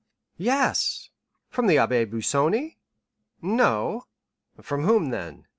"Yes." "From the Abbé Busoni?" "No." "From whom, then?"